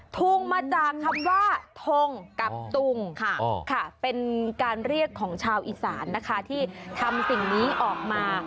ทงมาจากคำว่าทงกับตุงเป็นการเรียกของชาวอีสานนะคะที่ทำสิ่งนี้ออกมา